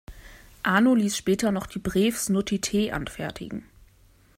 Arno ließ später noch die Breves Notitiae anfertigen.